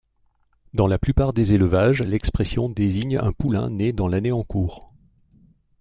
Dans la plupart des élevages, l'expression désigne un poulain né dans l'année en cours.